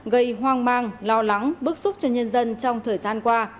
gây hoang mang lo lắng bức xúc cho nhân dân trong thời gian qua